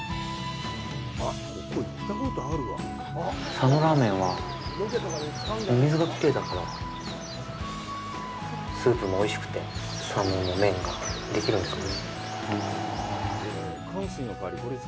佐野ラーメンは、お水がきれいだからスープもおいしくて、佐野の麺ができるんですかね。